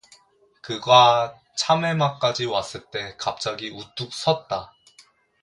그가 참외막까지 왔을 때 갑자기 우뚝 섰다.